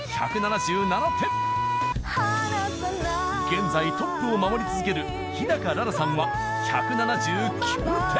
現在トップを守り続ける樋楽々さんは１７９点。